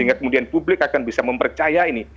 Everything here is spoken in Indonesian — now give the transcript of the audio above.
sehingga kemudian publik akan bisa mempercaya ini